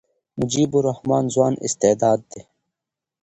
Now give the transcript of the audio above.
مجيب الرحمن ځوان استعداد دئ.